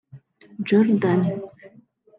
Jordanie